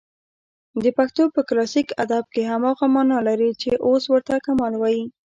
د پښتو په کلاسیک ادب کښي هماغه مانا لري، چي اوس ورته کمال وايي.